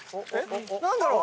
何だろう？